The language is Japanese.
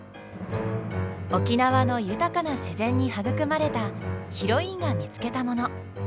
沖縄の豊かな自然に育まれたヒロインが見つけたもの。